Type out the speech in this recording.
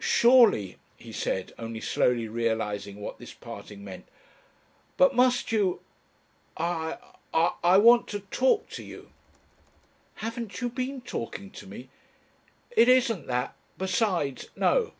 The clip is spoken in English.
"Surely," he said, only slowly realising what this parting meant. "But must you? I I want to talk to you." "Haven't you been talking to me?" "It isn't that. Besides no."